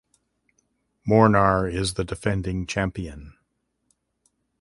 Mornar is the defending champion.